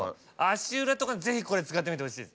足裏とかにぜひこれ使ってみてほしい。